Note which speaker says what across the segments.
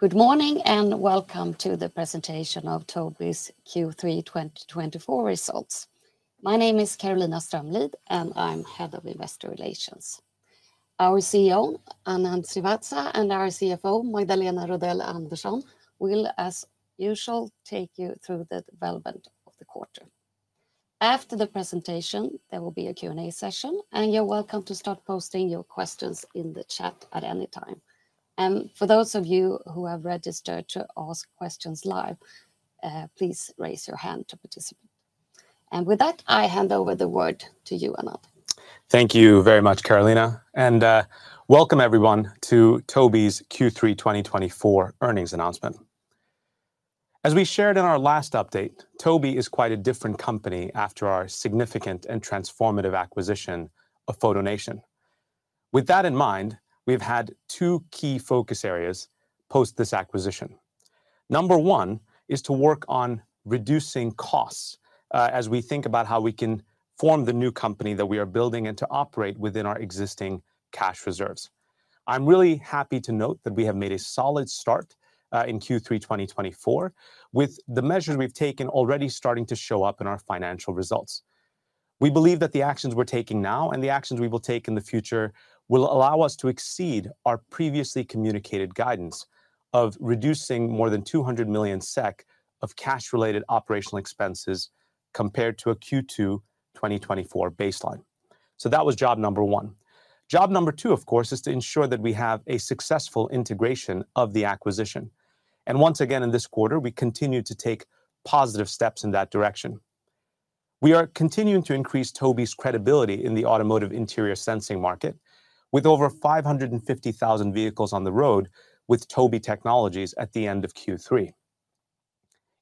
Speaker 1: Good morning, and welcome to the presentation of Tobii's Q3 2024 results. My name is Carolina Strömlid, and I'm Head of Investor Relations. Our CEO, Anand Srivatsa, and our CFO, Magdalena Rodell Andersson, will, as usual, take you through the development of the quarter. After the presentation, there will be a Q&A session, and you're welcome to start posting your questions in the chat at any time. And for those of you who have registered to ask questions live, please raise your hand to participate. And with that, I hand over the word to you, Anand.
Speaker 2: Thank you very much, Carolina, and welcome everyone to Tobii's Q3 2024 earnings announcement. As we shared in our last update, Tobii is quite a different company after our significant and transformative acquisition of FotoNation. With that in mind, we've had two key focus areas post this acquisition. Number one is to work on reducing costs, as we think about how we can form the new company that we are building and to operate within our existing cash reserves. I'm really happy to note that we have made a solid start, in Q3 2024, with the measures we've taken already starting to show up in our financial results. We believe that the actions we're taking now and the actions we will take in the future will allow us to exceed our previously communicated guidance of reducing more than 200 million SEK of cash-related operational expenses compared to a Q2 2024 baseline. So that was job number one. Job number two, of course, is to ensure that we have a successful integration of the acquisition, and once again, in this quarter, we continued to take positive steps in that direction. We are continuing to increase Tobii's credibility in the automotive interior sensing market, with over 550,000 vehicles on the road with Tobii technologies at the end of Q3.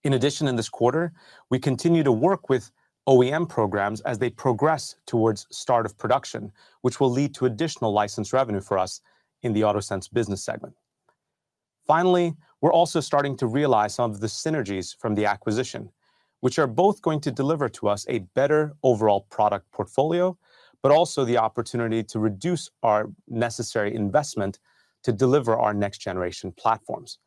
Speaker 2: In addition, in this quarter, we continue to work with OEM programs as they progress towards start of production, which will lead to additional license revenue for us in the Autosense business segment. Finally, we're also starting to realize some of the synergies from the acquisition, which are both going to deliver to us a better overall product portfolio, but also the opportunity to reduce our necessary investment to deliver our next-generation platforms.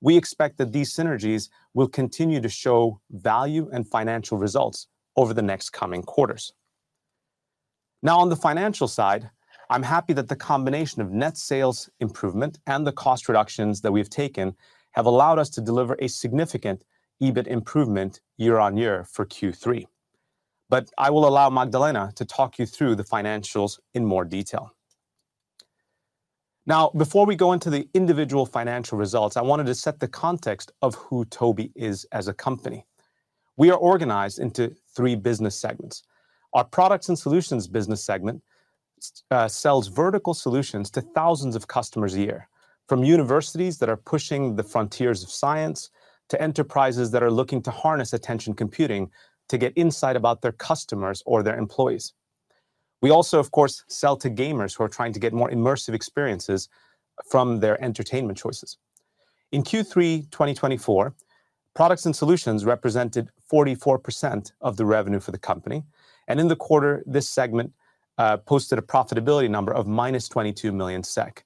Speaker 2: We expect that these synergies will continue to show value and financial results over the next coming quarters. Now, on the financial side, I'm happy that the combination of net sales improvement and the cost reductions that we've taken have allowed us to deliver a significant EBIT improvement year-on-year for Q3. But I will allow Magdalena to talk you through the financials in more detail. Now, before we go into the individual financial results, I wanted to set the context of who Tobii is as a company. We are organized into three business segments. Our Products & Solutions business segment sells vertical solutions to thousands of customers a year, from universities that are pushing the frontiers of science to enterprises that are looking to harness attention computing to get insight about their customers or their employees. We also, of course, sell to gamers who are trying to get more immersive experiences from their entertainment choices. In Q3 2024, Products & Solutions represented 44% of the revenue for the company, and in the quarter, this segment posted a profitability number of -22 million SEK.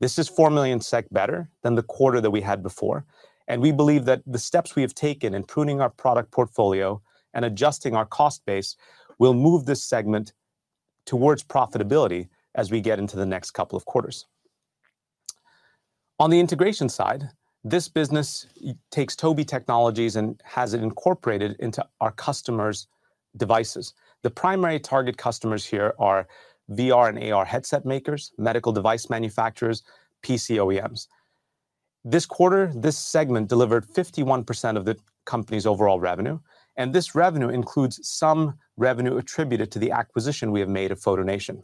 Speaker 2: This is 4 million SEK better than the quarter that we had before, and we believe that the steps we have taken in pruning our product portfolio and adjusting our cost base will move this segment towards profitability as we get into the next couple of quarters. On the Integration side, this business takes Tobii technologies and has it incorporated into our customers' devices. The primary target customers here are VR and AR headset makers, medical device manufacturers, PC OEMs. This quarter, this segment delivered 51% of the company's overall revenue, and this revenue includes some revenue attributed to the acquisition we have made of FotoNation.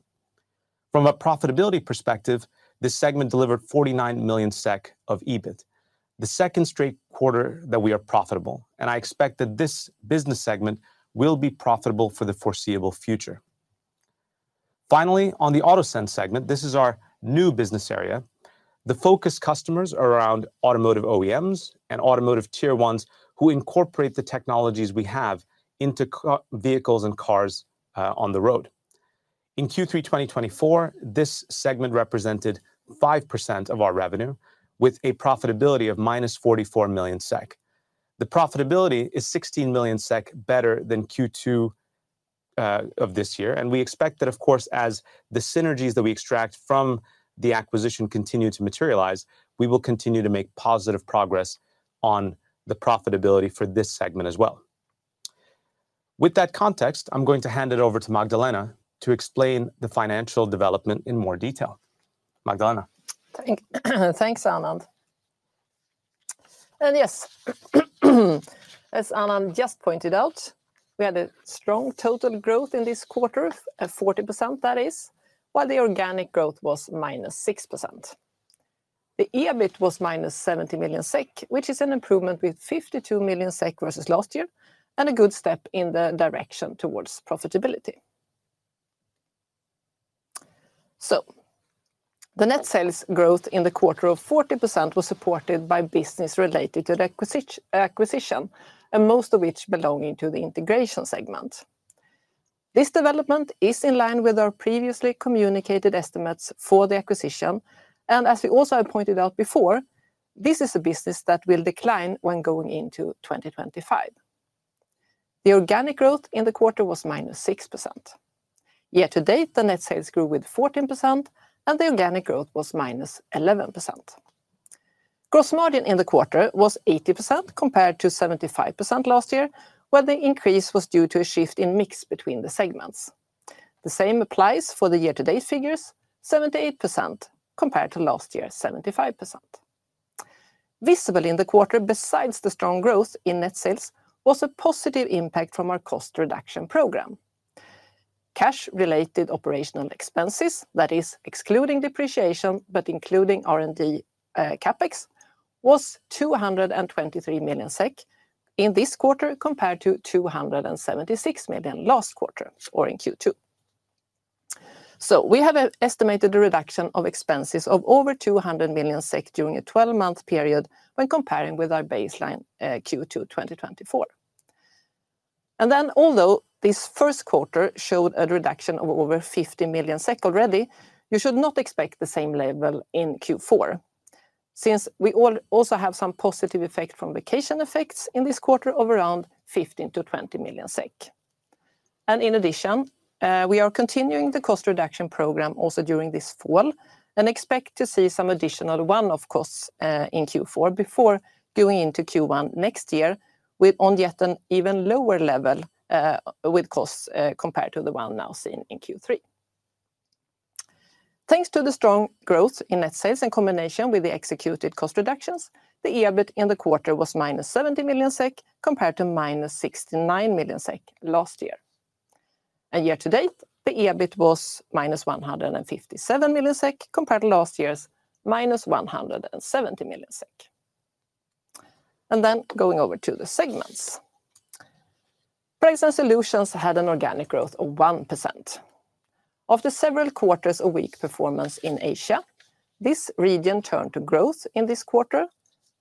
Speaker 2: From a profitability perspective, this segment delivered 49 millionof EBIT, the second straight quarter that we are profitable, and I expect that this business segment will be profitable for the foreseeable future. Finally, on the Autosense segment, this is our new business area. The focus customers are around automotive OEMs and automotive Tier 1s, who incorporate the technologies we have into vehicles and cars, on the road. In Q3 2024, this segment represented 5% of our revenue, with a profitability of -44 million SEK. The profitability is 16 million SEK better than Q2 of this year, and we expect that, of course, as the synergies that we extract from the acquisition continue to materialize, we will continue to make positive progress on the profitability for this segment as well. With that context, I'm going to hand it over to Magdalena to explain the financial development in more detail. Magdalena?
Speaker 3: Thanks, Anand. Yes, as Anand just pointed out, we had a strong total growth in this quarter, at 40%, that is, while the organic growth was -6%. The EBIT was -70 million SEK, which is an improvement with 52 million SEK versus last year, and a good step in the direction towards profitability. The net sales growth in the quarter of 40% was supported by business related to the acquisition, and most of which belonging to the Integration segment.... This development is in line with our previously communicated estimates for the acquisition, and as we also have pointed out before, this is a business that will decline when going into 2025. The organic growth in the quarter was -6%. Year to date, the net sales grew 14%, and the organic growth was -11%. Gross margin in the quarter was 80% compared to 75% last year, where the increase was due to a shift in mix between the segments. The same applies for the year-to-date figures, 78% compared to last year, 75%. Visible in the quarter, besides the strong growth in net sales, was a positive impact from our cost reduction program. Cash-related operational expenses, that is excluding depreciation, but including R&D, CapEx, was 223 million SEK in this quarter, compared to 276 million last quarter or in Q2. So we have estimated a reduction of expenses of over 200 million SEK during a 12-month period when comparing with our baseline, Q2 2024. And then, although this first quarter showed a reduction of over 50 million SEK already, you should not expect the same level in Q4. Since we also have some positive effect from vacation effects in this quarter of around 15 million-20 million SEK. In addition, we are continuing the cost reduction program also during this fall, and expect to see some additional one-off costs in Q4 before going into Q1 next year, with on yet an even lower level with costs compared to the one now seen in Q3. Thanks to the strong growth in net sales in combination with the executed cost reductions, the EBIT in the quarter was -70 million SEK, compared to -69 million SEK last year. Year to date, the EBIT was -157 million SEK, compared to last year's -170 million SEK. Then, going over to the segments. Products & Solutions had an organic growth of 1%. After several quarters of weak performance in Asia, this region turned to growth in this quarter,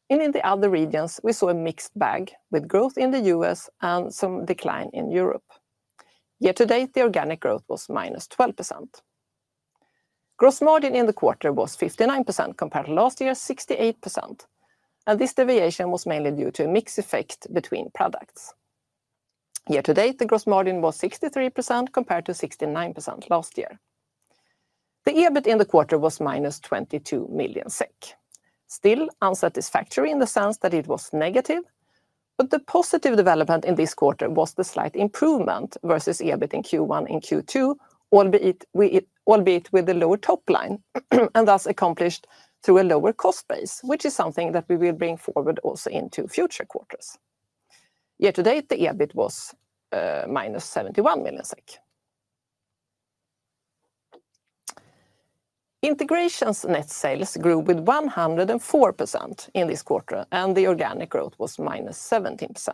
Speaker 3: and in the other regions, we saw a mixed bag, with growth in the US and some decline in Europe. Year to date, the organic growth was -12%. Gross margin in the quarter was 59%, compared to last year's 68%, and this deviation was mainly due to a mix effect between products. Year to date, the gross margin was 63%, compared to 69% last year. The EBIT in the quarter was -22 million SEK. Still unsatisfactory in the sense that it was negative, but the positive development in this quarter was the slight improvement versus EBIT in Q1 and Q2, albeit with a lower top line, and thus accomplished through a lower cost base, which is something that we will bring forward also into future quarters. Year to date, the EBIT was -71 million SEK. Integration's net sales grew with 104% in this quarter, and the organic growth was -17%.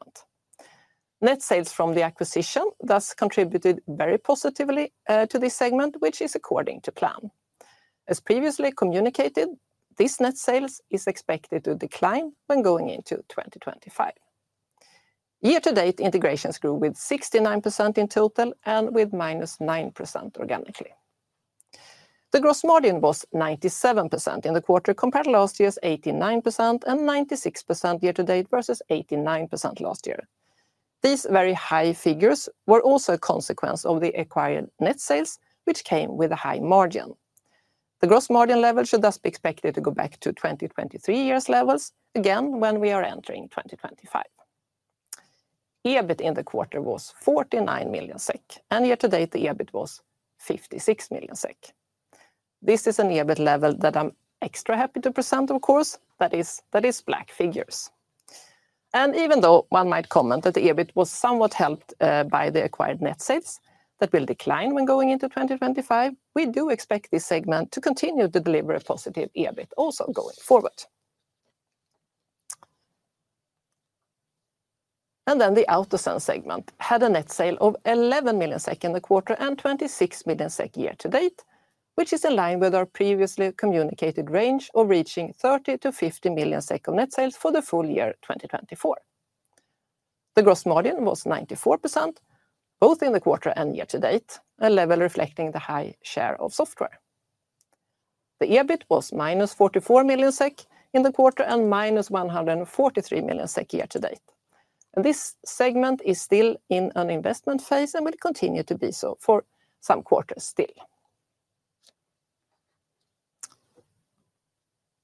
Speaker 3: Net sales from the acquisition thus contributed very positively to this segment, which is according to plan. As previously communicated, this net sales is expected to decline when going into 2025. Year to date, Integrations grew with 69% in total and with -9% organically. The gross margin was 97% in the quarter, compared to last year's 89% and 96% year to date, versus 89% last year. These very high figures were also a consequence of the acquired net sales, which came with a high margin. The gross margin level should thus be expected to go back to 2023's levels, again when we are entering 2025. EBIT in the quarter was 49 million SEK, and year to date, the EBIT was 56 million SEK. This is an EBIT level that I'm extra happy to present, of course, that is, that is black figures, and even though one might comment that the EBIT was somewhat helped by the acquired net sales, that will decline when going into 2025, we do expect this segment to continue to deliver a positive EBIT also going forward. The Autosense segment had net sales of 11 million SEK in the quarter and 26 million SEK year to date, which is in line with our previously communicated range of reaching 30 million-50 million SEK of net sales for the full year 2024. The gross margin was 94%, both in the quarter and year to date, a level reflecting the high share of software. The EBIT was -44 million SEK in the quarter and -143 million SEK year to date. This segment is still in an investment phase and will continue to be so for some quarters still.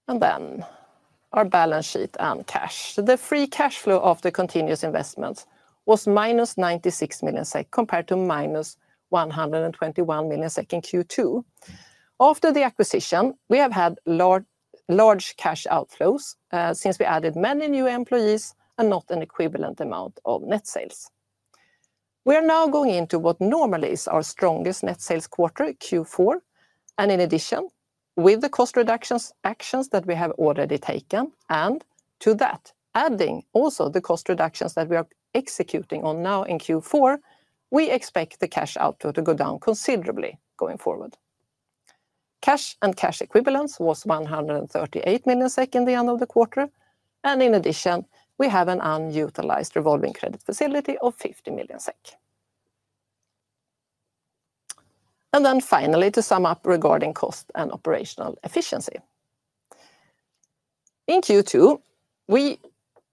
Speaker 3: Our balance sheet and cash. The free cash flow of the continuous investments was -96 million SEK, compared to -121 million SEK in Q2. After the acquisition, we have had large, large cash outflows since we added many new employees and not an equivalent amount of net sales. We are now going into what normally is our strongest net sales quarter, Q4, and in addition, with the cost reductions actions that we have already taken, and to that, adding also the cost reductions that we are executing on now in Q4, we expect the cash outflow to go down considerably going forward. Cash and cash equivalents was 138 million SEK in the end of the quarter, and in addition, we have an unutilized revolving credit facility of 50 million SEK. And then finally, to sum up regarding cost and operational efficiency. In Q2, we,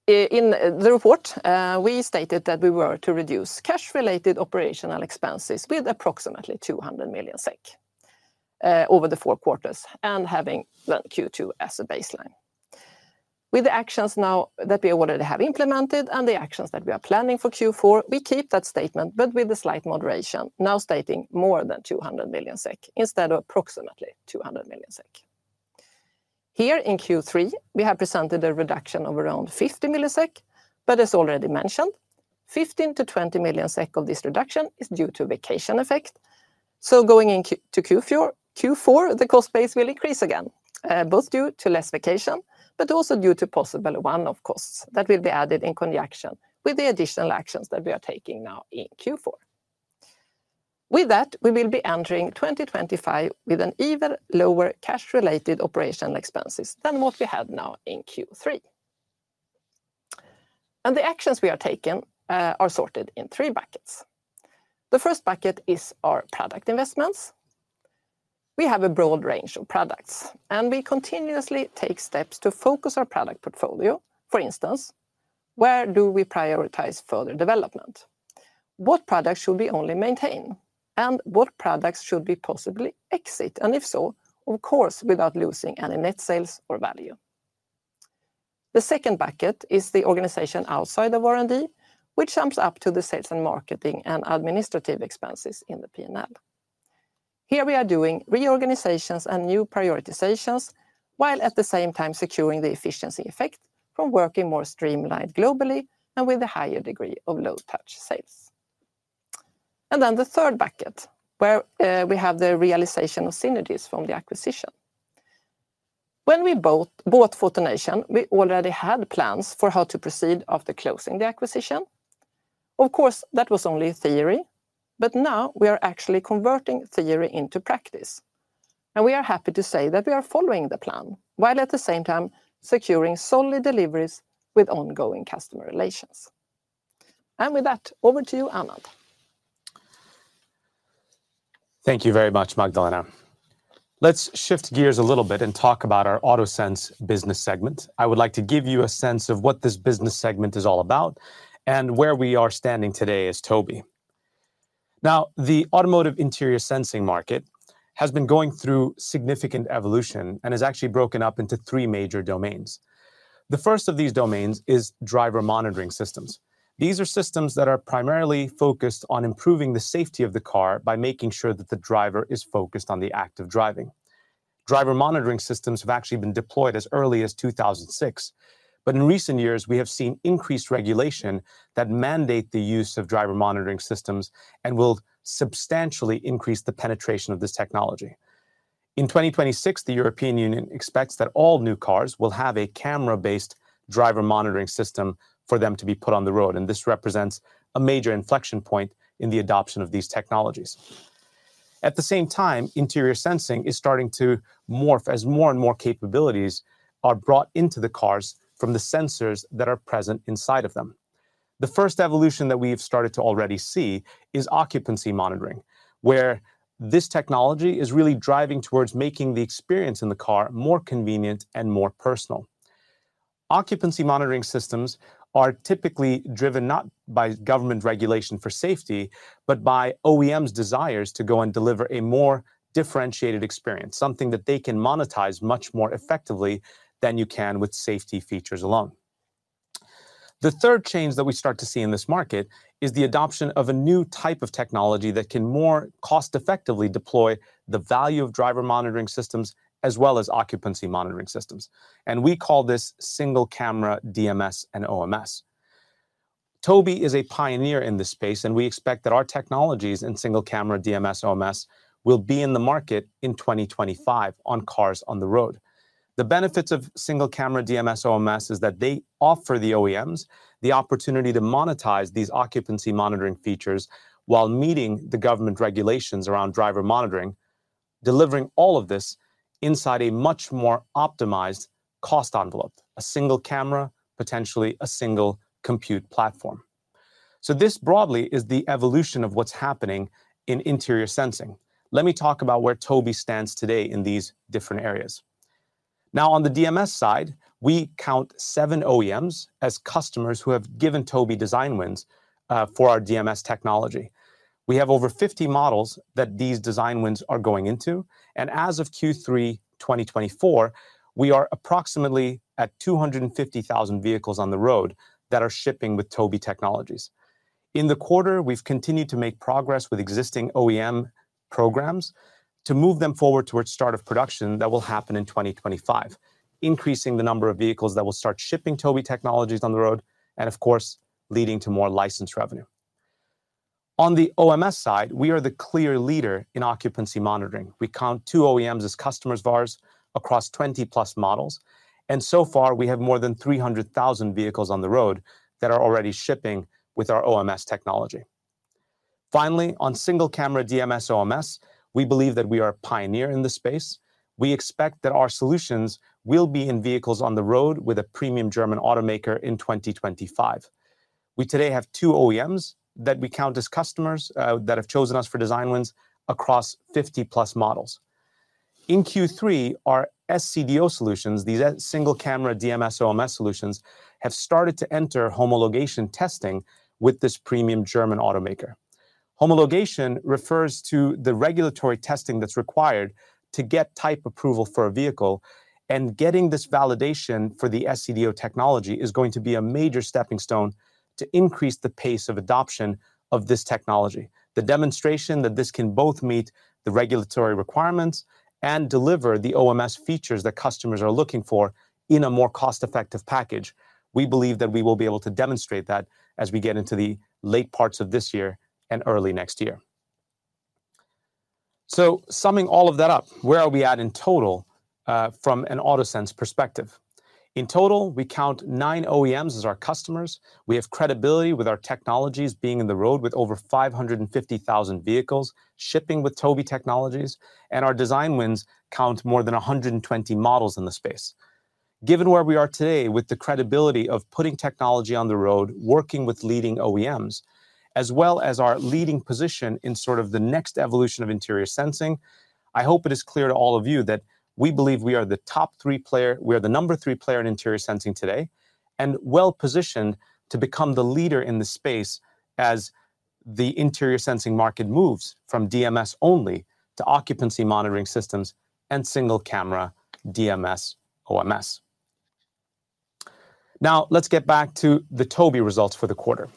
Speaker 3: in the report, we stated that we were to reduce cash-related operational expenses with approximately 200 million SEK over the four quarters, and having the Q2 as a baseline. With the actions now that we already have implemented and the actions that we are planning for Q4, we keep that statement, but with a slight moderation, now stating more than 200 million SEK instead of approximately 200 million SEK. Here in Q3, we have presented a reduction of around 50 million, but as already mentioned, 15 million-20 million SEK of this reduction is due to vacation effect. Going into Q4, the cost base will increase again, both due to less vacation, but also due to possible one-off costs that will be added in conjunction with the additional actions that we are taking now in Q4. With that, we will be entering twenty twenty-five with an even lower cash-related operational expenses than what we have now in Q3. And the actions we are taking are sorted in three buckets. The first bucket is our product investments. We have a broad range of products, and we continuously take steps to focus our product portfolio. For instance, where do we prioritize further development? What products should we only maintain? And what products should we possibly exit? And if so, of course, without losing any net sales or value. The second bucket is the organization outside of R&D, which sums up to the sales and marketing and administrative expenses in the P&L. Here we are doing reorganizations and new prioritizations, while at the same time securing the efficiency effect from working more streamlined globally and with a higher degree of low-touch sales, and then the third bucket, where we have the realization of synergies from the acquisition. When we bought FotoNation, we already had plans for how to proceed after closing the acquisition. Of course, that was only theory, but now we are actually converting theory into practice, and we are happy to say that we are following the plan, while at the same time securing solid deliveries with ongoing customer relations, and with that, over to you, Anand.
Speaker 2: Thank you very much, Magdalena. Let's shift gears a little bit and talk about our Autosense business segment. I would like to give you a sense of what this business segment is all about and where we are standing today as Tobii. Now, the automotive interior sensing market has been going through significant evolution and is actually broken up into three major domains. The first of these domains is driver monitoring systems. These are systems that are primarily focused on improving the safety of the car by making sure that the driver is focused on the act of driving. Driver monitoring systems have actually been deployed as early as two thousand and six, but in recent years, we have seen increased regulation that mandate the use of driver monitoring systems and will substantially increase the penetration of this technology. In twenty twenty-six, the European Union expects that all new cars will have a camera-based driver monitoring system for them to be put on the road, and this represents a major inflection point in the adoption of these technologies. At the same time, interior sensing is starting to morph as more and more capabilities are brought into the cars from the sensors that are present inside of them. The first evolution that we've started to already see is occupancy monitoring, where this technology is really driving towards making the experience in the car more convenient and more personal. Occupancy monitoring systems are typically driven not by government regulation for safety, but by OEMs' desires to go and deliver a more differentiated experience, something that they can monetize much more effectively than you can with safety features alone. The third change that we start to see in this market is the adoption of a new type of technology that can more cost-effectively deploy the value of driver monitoring systems, as well as occupancy monitoring systems, and we call this single-camera DMS and OMS. Tobii is a pioneer in this space, and we expect that our technologies in single-camera DMS, OMS will be in the market in twenty twenty-five on cars on the road. The benefits of single-camera DMS, OMS is that they offer the OEMs the opportunity to monetize these occupancy monitoring features while meeting the government regulations around driver monitoring, delivering all of this inside a much more optimized cost envelope, a single camera, potentially a single compute platform. So this broadly is the evolution of what's happening in interior sensing. Let me talk about where Tobii stands today in these different areas. Now, on the DMS side, we count seven OEMs as customers who have given Tobii design wins for our DMS technology. We have over 50 models that these design wins are going into, and as of Q3 2024, we are approximately at 250,000 vehicles on the road that are shipping with Tobii Technologies. In the quarter, we've continued to make progress with existing OEM programs to move them forward towards start of production that will happen in 2025, increasing the number of vehicles that will start shipping Tobii Technologies on the road and, of course, leading to more license revenue. On the OMS side, we are the clear leader in occupancy monitoring. We count two OEMs as customers of ours across twenty-plus models, and so far, we have more than three hundred thousand vehicles on the road that are already shipping with our OMS technology. Finally, on single camera DMS/OMS, we believe that we are a pioneer in this space. We expect that our solutions will be in vehicles on the road with a premium German automaker in 2025. We today have two OEMs that we count as customers, that have chosen us for design wins across fifty-plus models. In Q3, our SCDO solutions, these single camera DMS/OMS solutions, have started to enter homologation testing with this premium German automaker. Homologation refers to the regulatory testing that's required to get type approval for a vehicle, and getting this validation for the SCDO technology is going to be a major stepping stone to increase the pace of adoption of this technology. The demonstration that this can both meet the regulatory requirements and deliver the OMS features that customers are looking for in a more cost-effective package, we believe that we will be able to demonstrate that as we get into the late parts of this year and early next year. So summing all of that up, where are we at in total, from an Autosense perspective? In total, we count nine OEMs as our customers. We have credibility with our technologies being on the road with over 550,000 vehicles, shipping with Tobii technologies, and our design wins count more than 120 models in the space. Given where we are today with the credibility of putting technology on the road, working with leading OEMs, as well as our leading position in sort of the next evolution of interior sensing, I hope it is clear to all of you that we believe we are the top three player, we are the number three player in interior sensing today, and well-positioned to become the leader in the space as the interior sensing market moves from DMS only to occupancy monitoring systems and single camera DMS/OMS. Now, let's get back to the Tobii results for the quarter.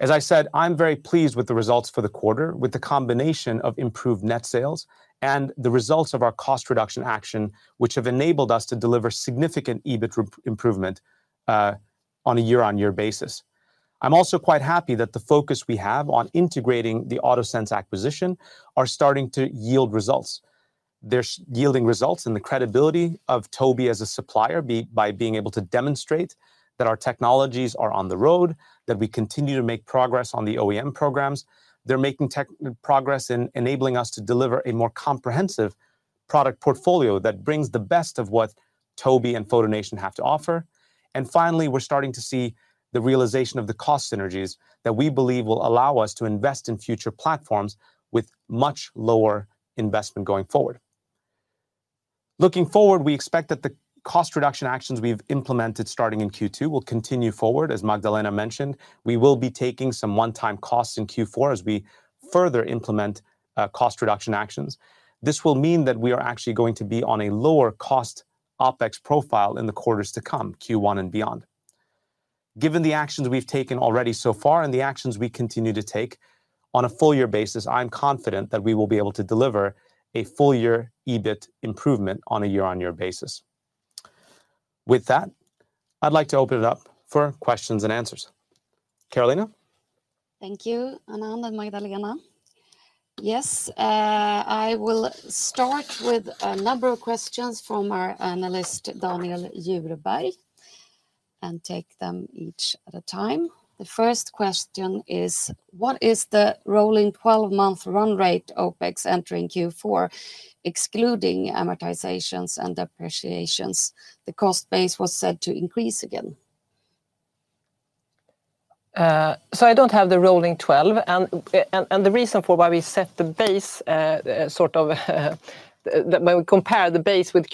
Speaker 2: As I said, I'm very pleased with the results for the quarter, with the combination of improved net sales and the results of our cost reduction action, which have enabled us to deliver significant EBIT improvement on a year-on-year basis. I'm also quite happy that the focus we have on integrating the Autosense acquisition are starting to yield results. They're yielding results in the credibility of Tobii as a supplier, by being able to demonstrate that our technologies are on the road, that we continue to make progress on the OEM programs. They're making progress in enabling us to deliver a more comprehensive product portfolio that brings the best of what Tobii and FotoNation have to offer. And finally, we're starting to see the realization of the cost synergies that we believe will allow us to invest in future platforms with much lower investment going forward. Looking forward, we expect that the cost reduction actions we've implemented starting in Q2 will continue forward, as Magdalena mentioned. We will be taking some one-time costs in Q4 as we further implement cost reduction actions. This will mean that we are actually going to be on a lower cost OpEx profile in the quarters to come, Q1 and beyond. Given the actions we've taken already so far and the actions we continue to take, on a full year basis, I'm confident that we will be able to deliver a full-year EBIT improvement on a year-on-year basis. With that, I'd like to open it up for questions and answers. Carolina?
Speaker 1: Thank you, Anand and Magdalena. Yes, I will start with a number of questions from our analyst, Daniel Djurberg, and take them each at a time. The first question is: What is the rolling 12-month run rate OpEx entering Q4, excluding amortizations and depreciations? The cost base was said to increase again.
Speaker 3: So I don't have the rolling 12, and the reason for why we set the base, sort of, when we compare the base with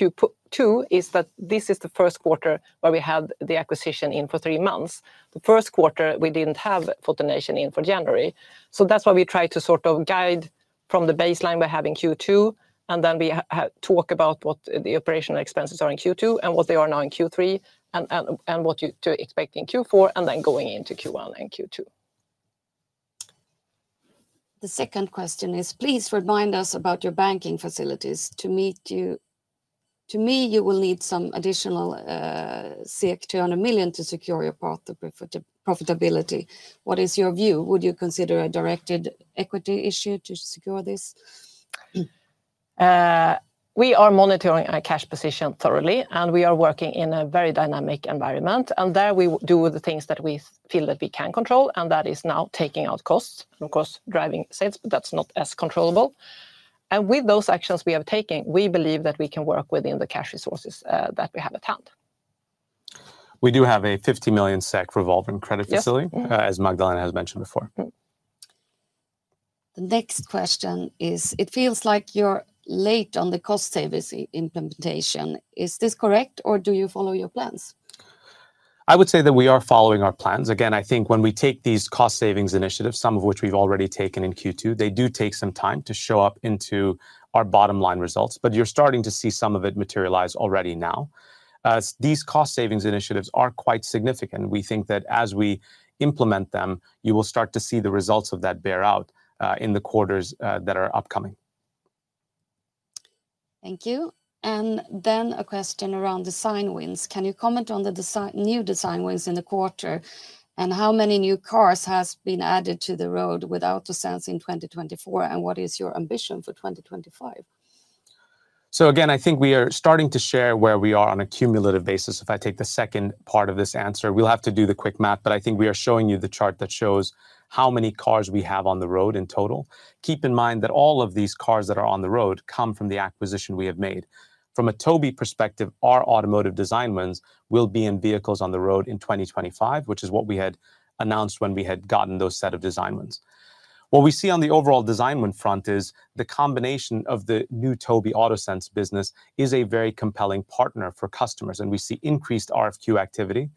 Speaker 3: Q2, is that this is the first quarter where we had the acquisition in for three months. The first quarter, we didn't have FotoNation in for January. So that's why we try to sort of guide from the baseline we have in Q2, and then we talk about what the operational expenses are in Q2, and what they are now in Q3, and what to expect in Q4, and then going into Q1 and Q2.
Speaker 1: The second question is, please remind us about your banking facilities. To me, you will need some additional 200 million to secure your path to profitability. What is your view? Would you consider a directed equity issue to secure this?
Speaker 3: We are monitoring our cash position thoroughly, and we are working in a very dynamic environment, and there, we do the things that we feel that we can control, and that is now taking out costs. Of course, driving sales, but that's not as controllable, and with those actions we have taken, we believe that we can work within the cash resources that we have at hand.
Speaker 2: We do have a 50 million SEK revolving credit facility-
Speaker 3: Yes. Mm-hmm...
Speaker 2: as Magdalena has mentioned before.
Speaker 3: Mm-hmm.
Speaker 1: The next question is: It feels like you're late on the cost savings implementation. Is this correct, or do you follow your plans?
Speaker 2: I would say that we are following our plans. Again, I think when we take these cost savings initiatives, some of which we've already taken in Q2, they do take some time to show up into our bottom line results, but you're starting to see some of it materialize already now. These cost savings initiatives are quite significant. We think that as we implement them, you will start to see the results of that bear out in the quarters that are upcoming.
Speaker 1: Thank you. A question around design wins. Can you comment on the new design wins in the quarter, and how many new cars has been added to the road with Autosense in 2024, and what is your ambition for 2025?...
Speaker 2: So again, I think we are starting to share where we are on a cumulative basis. If I take the second part of this answer, we'll have to do the quick math, but I think we are showing you the chart that shows how many cars we have on the road in total. Keep in mind that all of these cars that are on the road come from the acquisition we have made. From a Tobii perspective, our automotive design wins will be in vehicles on the road in 2025, which is what we had announced when we had gotten those set of design wins. What we see on the overall design win front is the combination of the new Tobii Autosense business is a very compelling partner for customers, and we see increased RFQ activity.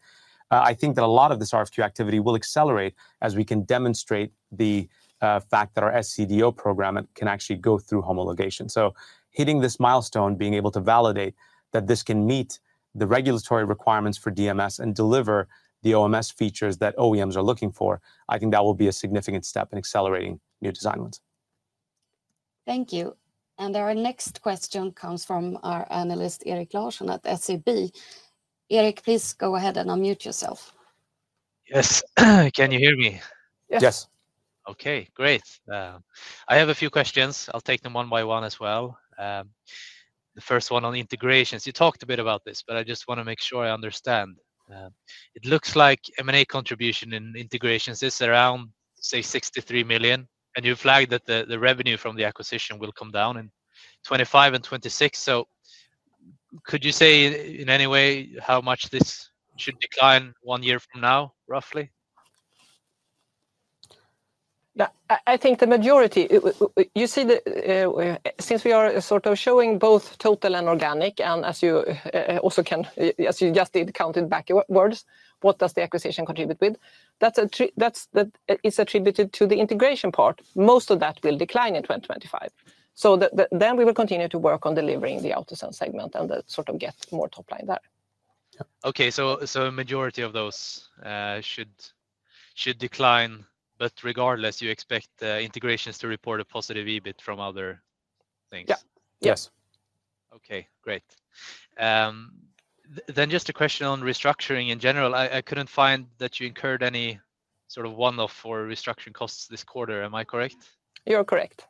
Speaker 2: I think that a lot of this RFQ activity will accelerate as we can demonstrate the fact that our SCDO program can actually go through homologation, so hitting this milestone, being able to validate that this can meet the regulatory requirements for DMS and deliver the OMS features that OEMs are looking for, I think that will be a significant step in accelerating new design wins.
Speaker 1: Thank you. And our next question comes from our analyst, Erik Larsson at SEB. Erik, please go ahead and unmute yourself.
Speaker 4: Yes. Can you hear me?
Speaker 1: Yes.
Speaker 2: Yes.
Speaker 4: Okay, great. I have a few questions. I'll take them one by one as well. The first one on Integrations, you talked a bit about this, but I just wanna make sure I understand. It looks like M&A contribution in Integrations is around, say, 63 million, and you flagged that the, the revenue from the acquisition will come down in 2025 and 2026. So could you say in any way how much this should decline one year from now, roughly?
Speaker 3: Yeah, I think the majority, you see the... Since we are sort of showing both total and organic, and as you also can, as you just did, counted backwards, what does the acquisition contribute with? That is attributed to the Integration part. Most of that will decline in 2025. So then we will continue to work on delivering the Autosense segment and then sort of get more top line there.
Speaker 4: Okay, so a majority of those should decline, but regardless, you expect Integrations to report a positive EBIT from other things?
Speaker 3: Yeah. Yes.
Speaker 2: Yes.
Speaker 4: Okay, great. Then just a question on restructuring in general. I couldn't find that you incurred any sort of one-off or restructuring costs this quarter. Am I correct?
Speaker 3: You're correct.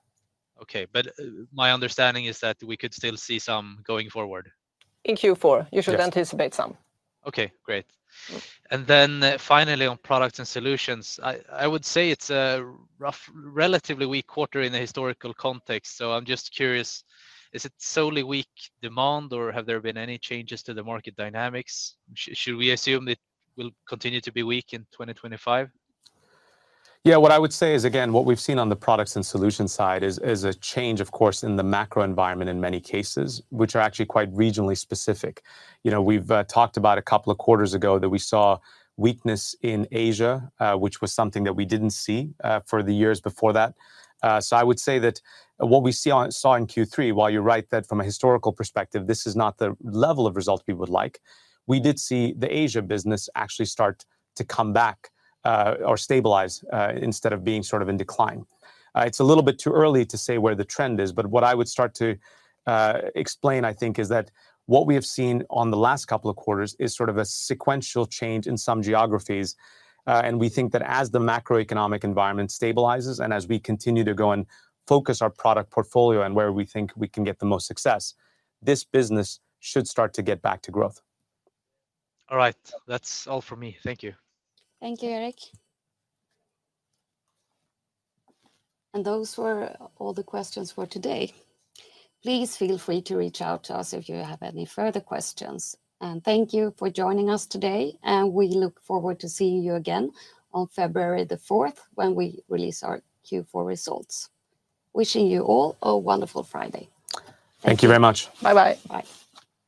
Speaker 4: Okay, but, my understanding is that we could still see some going forward.
Speaker 3: In Q4-
Speaker 4: Yes...
Speaker 3: you should anticipate some.
Speaker 4: Okay, great.
Speaker 3: Mm-hmm.
Speaker 4: Then finally, on Products & Solutions, I would say it's a rough, relatively weak quarter in the historical context, so I'm just curious, is it solely weak demand, or have there been any changes to the market dynamics? Should we assume it will continue to be weak in 2025?
Speaker 2: Yeah, what I would say is, again, what we've seen on the products and solutions side is a change, of course, in the macro environment in many cases, which are actually quite regionally specific. You know, we've talked about a couple of quarters ago that we saw weakness in Asia, which was something that we didn't see for the years before that. So I would say that what we saw in Q3, while you're right, that from a historical perspective, this is not the level of results we would like, we did see the Asia business actually start to come back, or stabilize, instead of being sort of in decline. It's a little bit too early to say where the trend is, but what I would start to explain, I think, is that what we have seen on the last couple of quarters is sort of a sequential change in some geographies. And we think that as the macroeconomic environment stabilizes, and as we continue to go and focus our product portfolio on where we think we can get the most success, this business should start to get back to growth.
Speaker 4: All right, that's all for me. Thank you.
Speaker 1: Thank you, Erik. And those were all the questions for today. Please feel free to reach out to us if you have any further questions. And thank you for joining us today, and we look forward to seeing you again on February the 4th, when we release our Q4 results. Wishing you all a wonderful Friday.
Speaker 2: Thank you very much.
Speaker 3: Bye-bye.
Speaker 1: Bye.